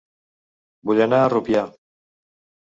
Vull anar a Rupià